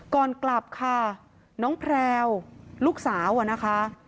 ก่อนกลับค่ะน้องแพลวลูกสาวอะนะคะ